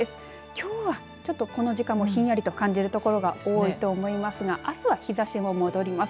きょうはちょっとこの時間もひんやりと感じる所が多いと思いますがあすは日ざしも戻ります。